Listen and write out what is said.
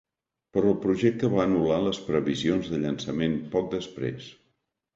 Però el projecte va anular les previsions de llançament poc després.